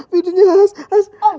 bidunya has has has